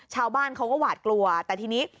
ชาวบ้านเขาก็หวาดกลัวแต่ทีนี้